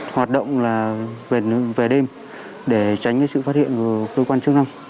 hoạt động về đêm để tránh sự phát hiện của cơ quan chức năng